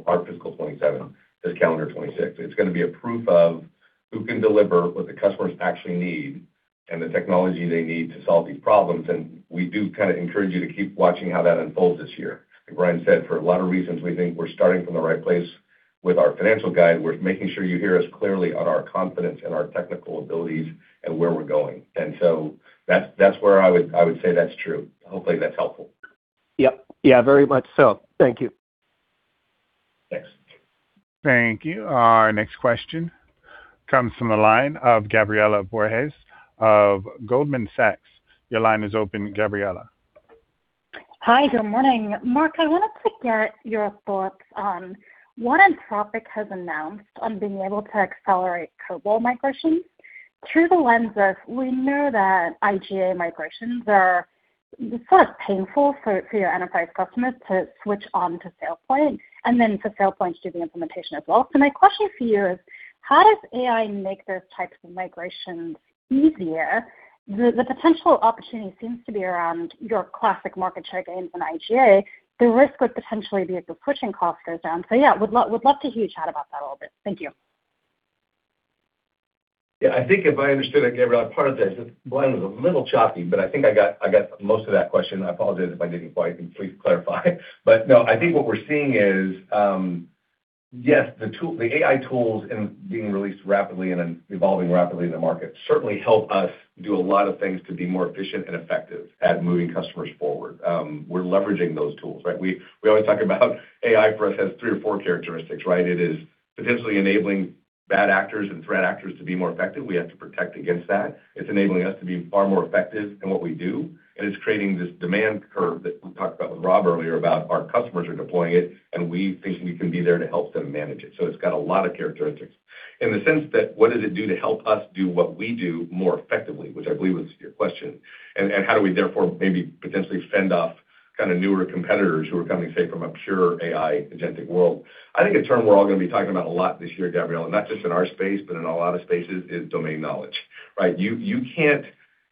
our fiscal 2027, this calendar 2026. It's gonna be a proof of who can deliver what the customers actually need and the technology they need to solve these problems. We do kind of encourage you to keep watching how that unfolds this year. Like Brian said, for a lot of reasons, we think we're starting from the right place with our financial guidance. We're making sure you hear us clearly on our confidence in our technical abilities and where we're going. That's where I would say that's true. Hopefully, that's helpful. Yep. Yeah, very much so. Thank you. Thanks. Thank you. Our next question comes from the line of Gabriela Borges of Goldman Sachs. Your line is open, Gabriela. Hi. Good morning. Mark, I wanted to get your thoughts on what Anthropic has announced on being able to accelerate COBOL migration through the lens of we know that IGA migrations are sort of painful for your enterprise customers to switch on to SailPoint and then for SailPoint to do the implementation as well. My question for you is, how does AI make those types of migrations easier? The potential opportunity seems to be around your classic market share gains in IGA. The risk would potentially be if the switching cost goes down. Yeah, would love to hear you chat about that a little bit. Thank you. Yeah. I think if I understood that, Gabriela, I apologize. The line was a little choppy, but I think I got most of that question. I apologize if I didn't quite. Can you please clarify? No, I think what we're seeing is, the AI tools being released rapidly and then evolving rapidly in the market certainly help us do a lot of things to be more efficient and effective at moving customers forward. We're leveraging those tools, right? We always talk about AI for us has three or four characteristics, right? It is potentially enabling bad actors and threat actors to be more effective. We have to protect against that. It's enabling us to be far more effective in what we do, and it's creating this demand curve that we talked about with Rob earlier about our customers are deploying it, and we think we can be there to help them manage it. It's got a lot of characteristics. In the sense that what does it do to help us do what we do more effectively, which I believe was your question, and how do we therefore maybe potentially fend off kind of newer competitors who are coming, say, from a pure AI agentic world. I think a term we're all going to be talking about a lot this year, Gabriela, and not just in our space, but in a lot of spaces, is domain knowledge, right? You can't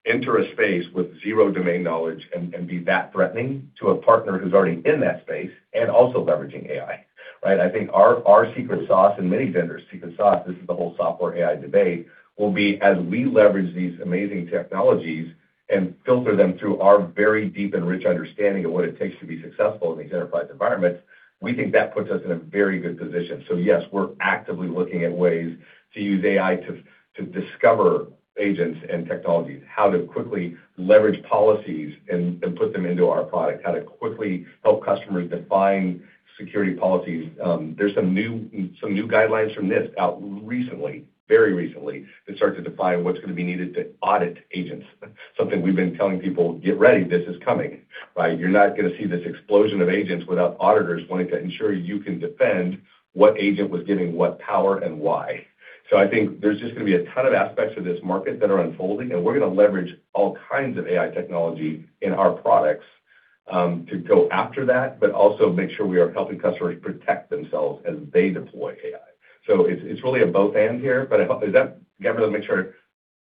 enter a space with zero domain knowledge and be that threatening to a partner who's already in that space and also leveraging AI, right? I think our secret sauce and many vendors' secret sauce, this is the whole software AI debate, will be as we leverage these amazing technologies and filter them through our very deep and rich understanding of what it takes to be successful in these enterprise environments, we think that puts us in a very good position. Yes, we're actively looking at ways to use AI to discover agents and technologies, how to quickly leverage policies and put them into our product, how to quickly help customers define security policies. There's some new guidelines from NIST out recently, very recently, that start to define what's going to be needed to audit agents. Something we've been telling people, "Get ready, this is coming," right? You're not going to see this explosion of agents without auditors wanting to ensure you can defend what agent was given what power and why. I think there's just going to be a ton of aspects of this market that are unfolding, and we're going to leverage all kinds of AI technology in our products to go after that, but also make sure we are helping customers protect themselves as they deploy AI. It's really a both/and here, but I hope. Is that, Gabriela, let me make sure.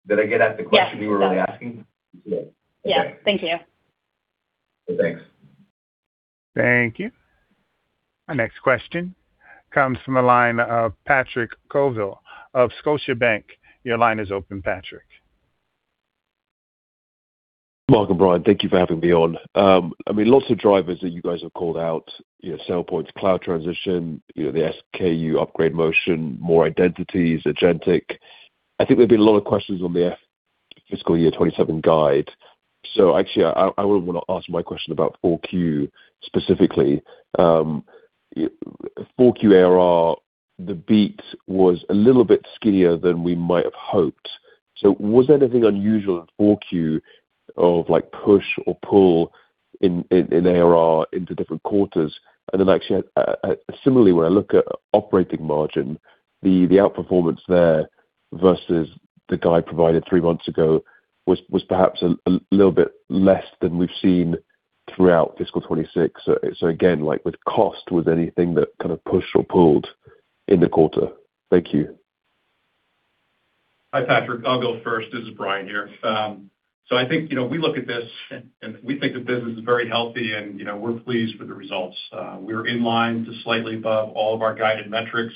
Did I get at the question you were really asking? Yes. Yeah. Thank you. Thanks. Thank you. Our next question comes from the line of Patrick Colville of Scotiabank. Your line is open, Patrick. Mark and Brian, thank you for having me on. I mean, lots of drivers that you guys have called out, you know, SailPoint's cloud transition, you know, the SKU upgrade motion, more identities, agentic. I think there have been a lot of questions on the fiscal year 2027 guide. Actually I would want to ask my question about Q4 specifically. Q4 ARR, the beat was a little bit skinnier than we might have hoped. Was there anything unusual in 4Q of like push or pull in ARR into different quarters? And then actually, similarly, when I look at operating margin, the outperformance there versus the guide provided three months ago was perhaps a little bit less than we've seen throughout fiscal 2026. Again, like with cost, was there anything that kind of pushed or pulled in the quarter? Thank you. Hi, Patrick. I'll go first. This is Brian here. I think, you know, we look at this and we think the business is very healthy and, you know, we're pleased with the results. We're in line to slightly above all of our guided metrics.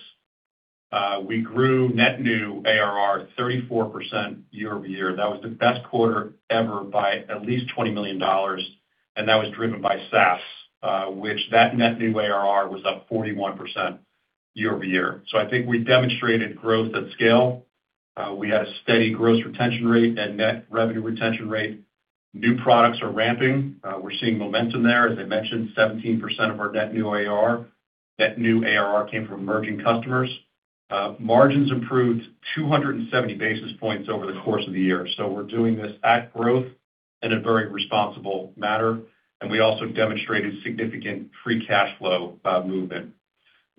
We grew net new ARR 34% year-over-year. That was the best quarter ever by at least $20 million, and that was driven by SaaS, which that net new ARR was up 41% year-over-year. I think we demonstrated growth at scale. We had a steady gross retention rate and net revenue retention rate. New products are ramping. We're seeing momentum there. As I mentioned, 17% of our net new ARR came from emerging customers. Margins improved 270 basis points over the course of the year. We're doing this with growth in a very responsible manner, and we also demonstrated significant free cash flow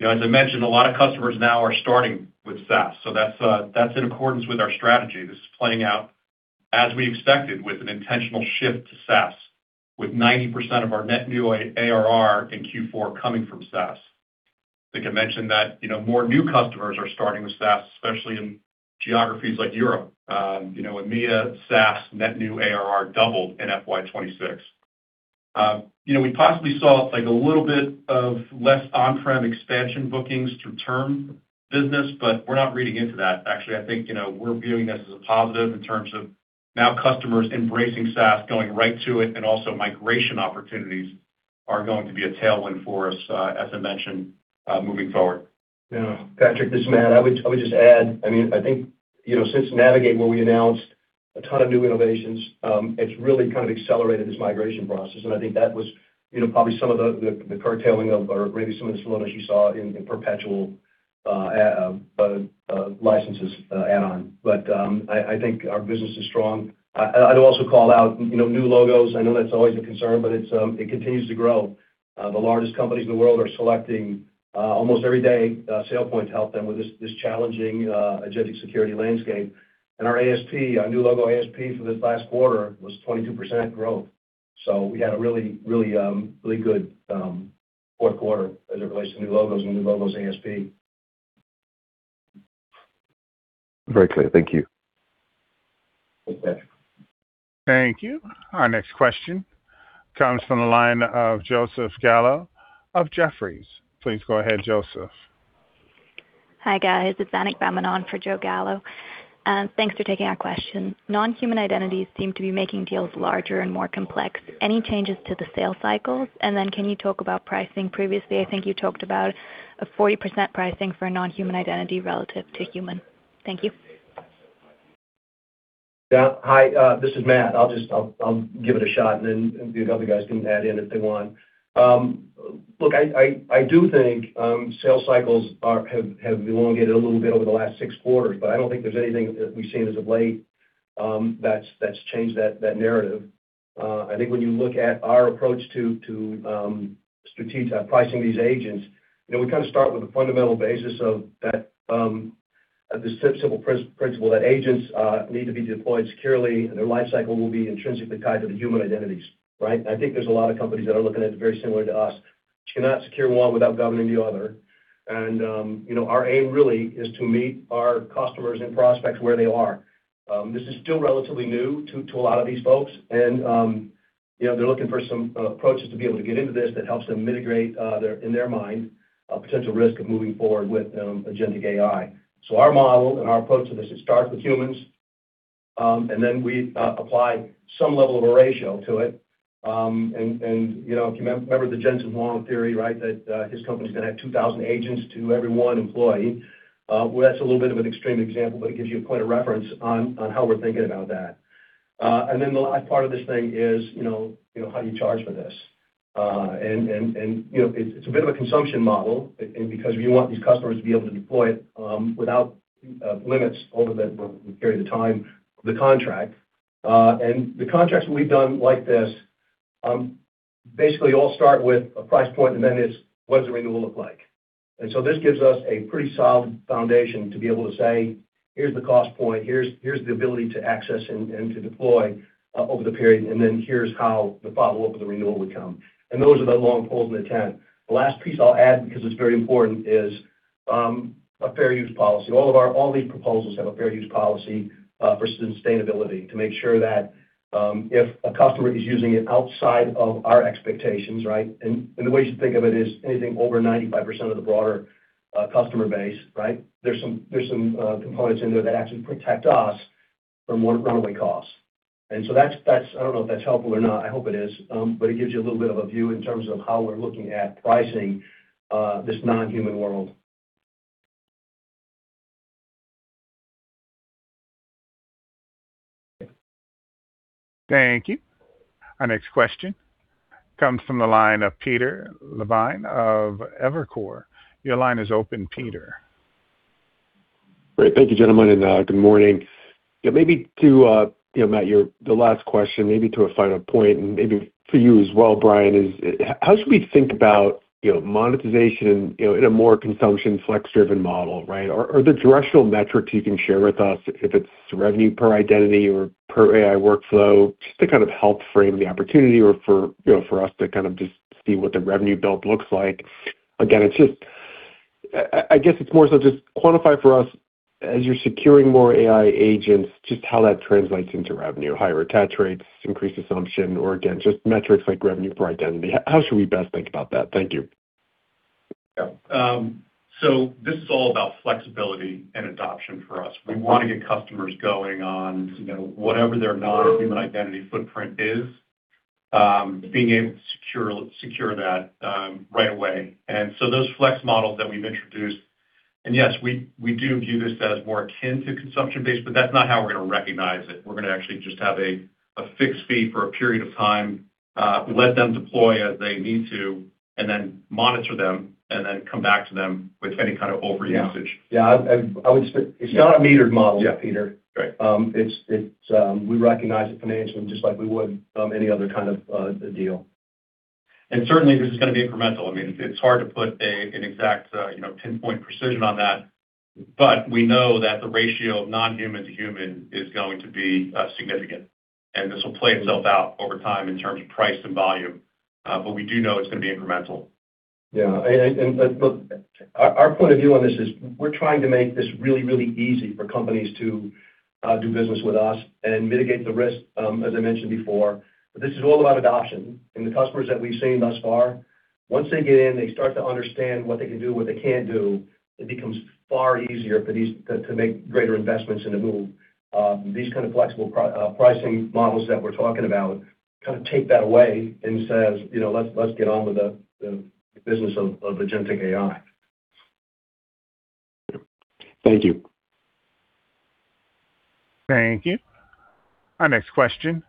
movement. You know, as I mentioned, a lot of customers now are starting with SaaS. That's in accordance with our strategy. This is playing out as we expected with an intentional shift to SaaS, with 90% of our net new ARR in Q4 coming from SaaS. I think I mentioned that, you know, more new customers are starting with SaaS, especially in geographies like Europe. You know, EMEA, SaaS, net new ARR doubled in FY 2026. You know, we possibly saw like a little bit of less on-prem expansion bookings through term business, but we're not reading into that. Actually, I think, you know, we're viewing this as a positive in terms of now customers embracing SaaS, going right to it, and also migration opportunities are going to be a tailwind for us, as I mentioned, moving forward. Yeah. Patrick, this is Matt. I would just add, I mean, I think, you know, since Navigate, where we announced a ton of new innovations, it's really kind of accelerated this migration process. I think that was, you know, probably some of the curtailing of or maybe some of the slowdowns you saw in perpetual licenses add-on. I think our business is strong. I'd also call out, you know, new logos. I know that's always a concern, but it's, it continues to grow. The largest companies in the world are selecting almost every day SailPoint to help them with this challenging agentic security landscape. Our ASP, our new logo ASP for this last quarter was 22% growth. We had a really good fourth quarter as it relates to new logos and new logos ASP. Very clear. Thank you. Thanks, Patrick. Thank you. Our next question comes from the line of Joseph Gallo of Jefferies. Please go ahead, Joseph. Hi, guys. It's Annick Baumann for Joe Gallo. Thanks for taking our question. Non-human identities seem to be making deals larger and more complex. Any changes to the sales cycles? And then can you talk about pricing? Previously, I think you talked about a 40% pricing for a non-human identity relative to human. Thank you. Yeah. Hi, this is Matt. I'll give it a shot, and then the other guys can add in if they want. Look, I do think sales cycles have elongated a little bit over the last six quarters, but I don't think there's anything that we've seen as of late that's changed that narrative. I think when you look at our approach to strategic pricing these agents, you know, we kind of start with the fundamental basis of that, the simple principle that agents need to be deployed securely, and their lifecycle will be intrinsically tied to the human identities, right? I think there's a lot of companies that are looking at it very similar to us. You cannot secure one without governing the other. Our aim really is to meet our customers and prospects where they are. This is still relatively new to a lot of these folks, and you know, they're looking for some approaches to be able to get into this that helps them mitigate, in their mind, a potential risk of moving forward with agentic AI. Our model and our approach to this, it starts with humans, and then we apply some level of a ratio to it. And, you know, if you remember the Jensen Huang theory, right, that his company's gonna have 2,000 agents to every one employee. Well, that's a little bit of an extreme example, but it gives you a point of reference on how we're thinking about that. And then the last part of this thing is, you know, how do you charge for this? And, you know, it's a bit of a consumption model because we want these customers to be able to deploy it without limits over the period of time, the contract. The contracts we've done like this basically all start with a price point, and then it's what does the renewal look like? This gives us a pretty solid foundation to be able to say, "Here's the cost point, here's the ability to access and to deploy over the period, and then here's how the follow-up of the renewal would come." Those are the long poles in the tent. The last piece I'll add, because it's very important, is a fair use policy. All these proposals have a fair use policy versus sustainability to make sure that if a customer is using it outside of our expectations, right? The way you should think of it is anything over 95% of the broader customer base, right? There's some components in there that actually protect us from runaway costs. That's—I don't know if that's helpful or not. I hope it is. But it gives you a little bit of a view in terms of how we're looking at pricing this non-human world. Thank you. Our next question comes from the line of Peter Levine of Evercore. Your line is open, Peter. Great. Thank you, gentlemen, and good morning. Yeah, maybe to you know, Matt, the last question maybe to a final point, and maybe for you as well, Brian, is how should we think about you know, monetization, you know, in a more consumption flex-driven model, right? Or the directional metrics you can share with us if it's revenue per identity or per AI workflow, just to kind of help frame the opportunity or for you know, for us to kind of just see what the revenue build looks like. Again, it's just I guess it's more so just quantify for us as you're securing more AI agents, just how that translates into revenue, higher attach rates, increased consumption, or again, just metrics like revenue per identity. How should we best think about that? Thank you. Yeah. This is all about flexibility and adoption for us. We wanna get customers going on, you know, whatever their non-human identity footprint is, being able to secure that right away. Those Flex models that we've introduced, and yes, we do view this as more akin to consumption-based, but that's not how we're gonna recognize it. We're gonna actually just have a fixed fee for a period of time, let them deploy as they need to, and then monitor them and then come back to them with any kind of over usage. Yeah. Yeah. I would say it's not a metered model. Yeah. Peter. Great. We recognize it financially just like we would any other kind of deal. Certainly, this is gonna be incremental. I mean, it's hard to put an exact, you know, ten-point precision on that. But we know that the ratio of non-human to human is going to be significant. This will play itself out over time in terms of price and volume, but we do know it's gonna be incremental. Yeah. And look, our point of view on this is we're trying to make this really, really easy for companies to do business with us and mitigate the risk, as I mentioned before. This is all about adoption. The customers that we've seen thus far, once they get in, they start to understand what they can do, what they can't do. It becomes far easier for these to make greater investments in the move. These kind of flexible pricing models that we're talking about kind of take that away and says, "You know, let's get on with the business of agentic AI. Thank you. Thank you. Our next question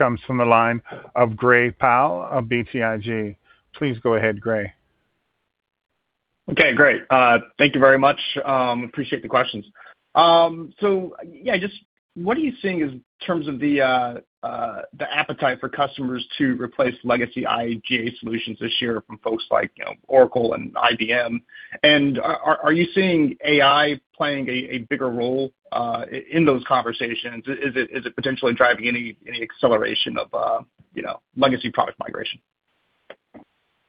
comes from the line of Gray Powell of BTIG. Please go ahead, Gray. Okay, great. Thank you very much. Appreciate the questions. So yeah, just what are you seeing in terms of the appetite for customers to replace legacy IGA solutions this year from folks like, you know, Oracle and IBM? And are you seeing AI playing a bigger role in those conversations? Is it potentially driving any acceleration of, you know, legacy product migration?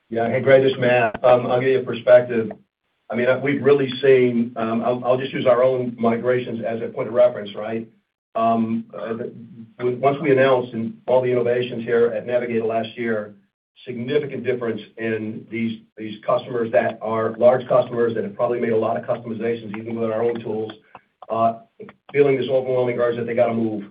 Hey, Gray, this is Matt. I'll give you a perspective. I mean, we've really seen, I'll just use our own migrations as a point of reference, right? Once we announced all the innovations here at Navigate last year. Significant difference in these customers that are large customers that have probably made a lot of customizations, even with our own tools, feeling this overwhelming urge that they gotta move.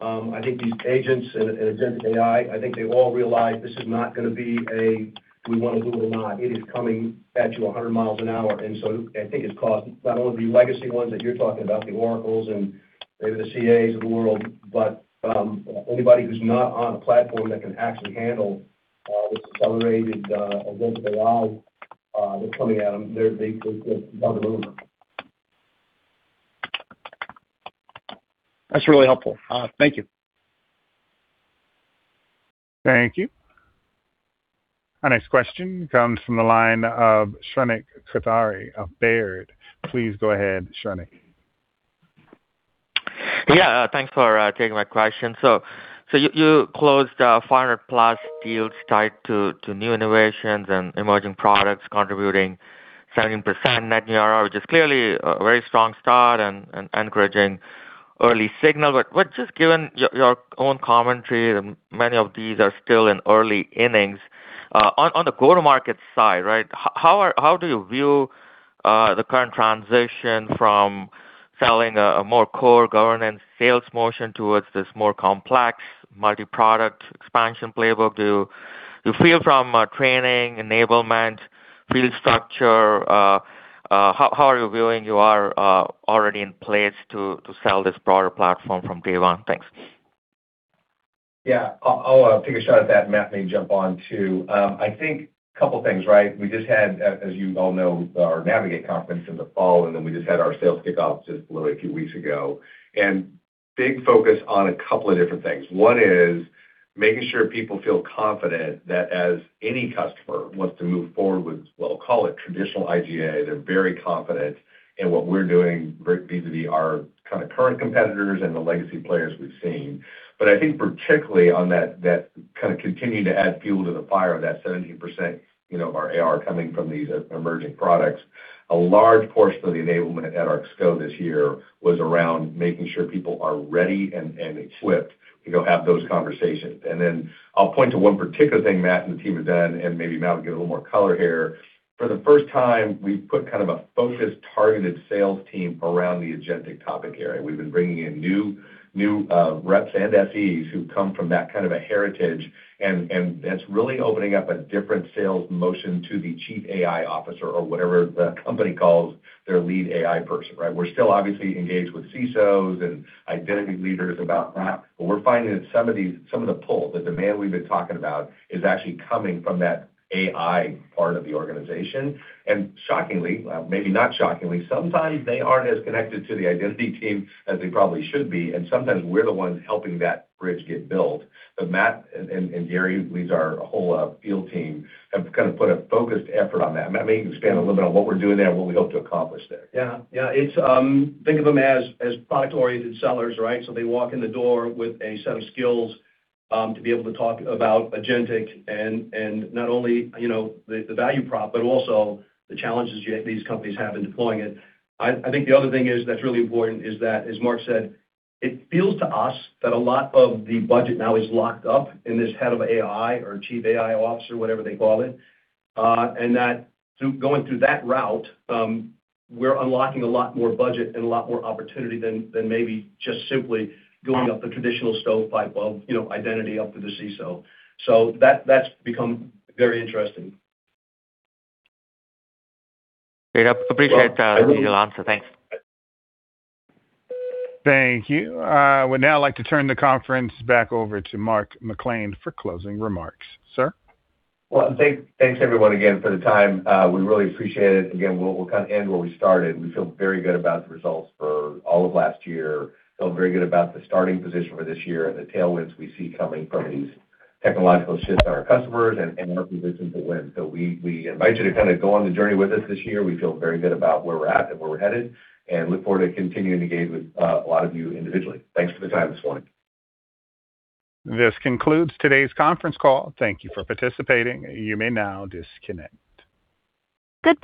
I think these agents and agent AI. I think they've all realized this is not gonna be a we wanna move or not. It is coming at you 100 miles an hour. I think it's caused not only the legacy ones that you're talking about, the Oracle and maybe the CA of the world, but anybody who's not on a platform that can actually handle this accelerated agent AI that's coming at them. It's out the window. That's really helpful. Thank you. Thank you. Our next question comes from the line of Shrenik Kothari of Baird. Please go ahead, Shrenik. Yeah. Thanks for taking my question. You closed 400+ deals tied to new innovations and emerging products contributing 17% net new ARR, which is clearly a very strong start and encouraging early signal. Just given your own commentary, many of these are still in early innings. On the go-to-market side, right, how do you view the current transition from selling a more core governance sales motion towards this more complex multi-product expansion playbook? Do you feel from training, enablement, field structure, how are you viewing you are already in place to sell this broader platform from day one? Thanks. Yeah. I'll take a shot at that, Matt may jump on too. I think couple things, right? We just had, as you all know, our Navigate conference in the fall, and then we just had our sales kickoff just literally a few weeks ago. Big focus on a couple of different things. One is making sure people feel confident that as any customer wants to move forward with, we'll call it traditional IGA, they're very confident in what we're doing vis-a-vis our kinda current competitors and the legacy players we've seen. I think particularly on that kinda continuing to add fuel to the fire of that 17%, you know, of our ARR coming from these emerging products, a large portion of the enablement at our sales kickoff this year was around making sure people are ready and equipped to go have those conversations. I'll point to one particular thing Matt and the team have done, and maybe Matt will give a little more color here. For the first time, we've put kind of a focused, targeted sales team around the agentic topic area. We've been bringing in new reps and SEs who come from that kind of a heritage, and that's really opening up a different sales motion to the chief AI officer or whatever the company calls their lead AI person, right? We're still obviously engaged with CISOs and identity leaders about that, but we're finding that some of the pull, the demand we've been talking about is actually coming from that AI part of the organization. Shockingly, maybe not shockingly, sometimes they aren't as connected to the identity team as they probably should be, and sometimes we're the ones helping that bridge get built. Matt and Gary, who leads our whole field team, have kind of put a focused effort on that. Matt, maybe you can expand a little bit on what we're doing there and what we hope to accomplish there. Yeah. Think of them as product-oriented sellers, right? They walk in the door with a set of skills to be able to talk about agentic and not only you know the value prop but also the challenges these companies have in deploying it. I think the other thing that's really important is that as Mark said it feels to us that a lot of the budget now is locked up in this head of AI or chief AI officer whatever they call it and that through going through that route we're unlocking a lot more budget and a lot more opportunity than maybe just simply going up the traditional stovepipe of you know identity up to the CISO. That's become very interesting. Great. Appreciate your answer. Thanks. Thank you. I would now like to turn the conference back over to Mark McClain for closing remarks. Sir? Well, thanks everyone again for the time. We really appreciate it. Again, we'll kinda end where we started. We feel very good about the results for all of last year. We feel very good about the starting position for this year and the tailwinds we see coming from these technological shifts in our customers and our position to win. We invite you to kinda go on the journey with us this year. We feel very good about where we're at and where we're headed, and look forward to continuing to engage with a lot of you individually. Thanks for the time this morning. This concludes today's conference call. Thank you for participating. You may now disconnect. Goodbye